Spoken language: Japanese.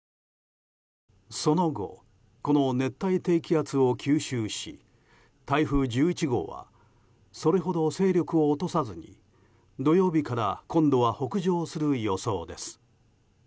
その後、この熱帯低気圧を吸収し台風１１号はそれほど勢力を落とさずに土曜日から今度は北上する予想です。